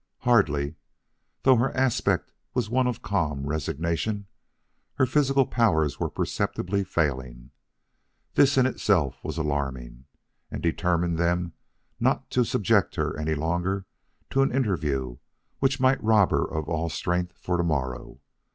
Hardly. Though her aspect was one of calm resignation, her physical powers were perceptibly failing. This in itself was alarming, and determined them not to subject her any longer to an interview which might rob her of all strength for the morrow.